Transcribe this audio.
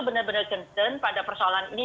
benar benar concern pada persoalan ini